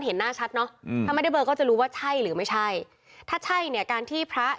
เห็นหน้าชัดเนอะหรือไม่ใช่